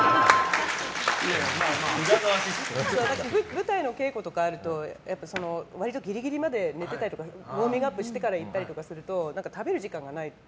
舞台の稽古とかあると割とぎりぎりまで寝てたりとかウォーミングアップして行ったりすると食べる時間がない。